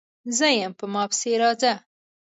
_زه يم، په ما پسې راځه!